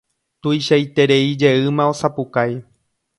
Tuichaitereijeýma osapukái.